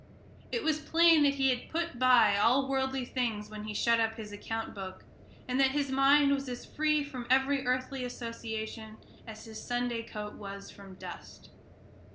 It was plain that he had put by all worldly thoughts when he shut up his account book, and that his mind was as free from every earthly association as his Sunday coat was from dust.